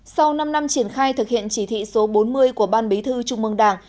sau năm năm triển khai thực hiện chỉ thị số bốn mươi của ban bí thư trung mương đảng